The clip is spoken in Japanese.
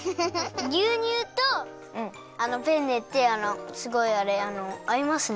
ぎゅうにゅうとあのペンネってすごいあれあのあいますね。